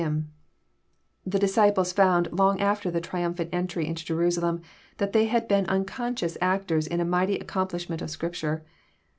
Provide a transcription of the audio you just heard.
him.'] The disciples foDnd, \ long after the triamphant entry into Jeqisalem, that they had \ been nnconscious actors in a mighty accomplishment of Scrip ture.